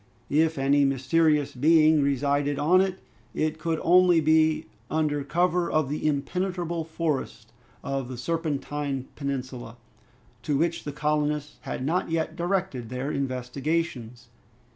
If any mysterious being resided on it, it could only be under cover of the impenetrable forest of the Serpentine Peninsula, to which the colonists had not yet directed their investigations.